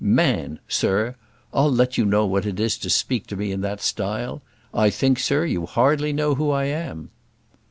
"Man! sir; I'll let you know what it is to speak to me in that style. I think, sir, you hardly know who I am."